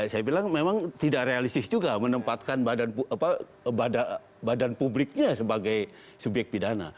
saya bilang memang tidak realistis juga menempatkan badan publiknya sebagai subyek pidana